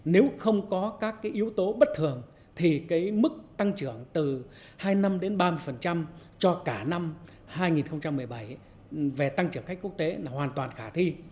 nếu không có các yếu tố bất thường thì cái mức tăng trưởng từ hai năm đến ba mươi cho cả năm hai nghìn một mươi bảy về tăng trưởng khách quốc tế là hoàn toàn khả thi